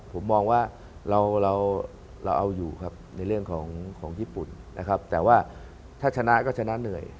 ผมมองว่าเราเอาอยู่ครับในเรื่องของญี่ปุ่นนะครับแต่ว่าถ้าชนะก็ชนะเหนื่อย